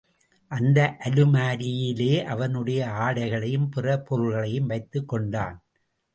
அந்த அலமாரியிலே அவனுடைய ஆடைகளையும் பிற பொருள்களையும் வைத்துக் கொண்டான்.